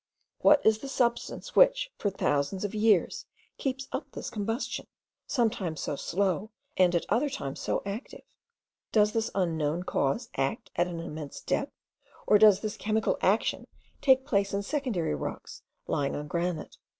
What is the substance, which, for thousands of years, keeps up this combustion, sometimes so slow, and at other times so active? Does this unknown cause act at an immense depth; or does this chemical action take place in secondary rocks lying on granite?